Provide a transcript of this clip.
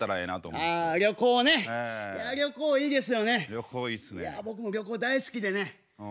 いや僕も旅行大好きでね。